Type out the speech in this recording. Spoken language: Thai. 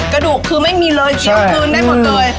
กระดูกคือไม่มีเลยเคี้ยวคืนได้หมดเลย